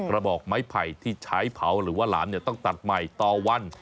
ระบอกไม้ไผ่ที่ใช้เผาหรือว่าหลามต้องตัดใหม่ต่อวัน